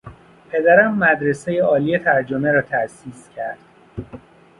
پدرم مدرسهی عالی ترجمه را تاسیس کرد.